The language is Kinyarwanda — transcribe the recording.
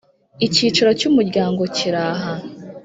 Icyicaro cy umuryango kiri aha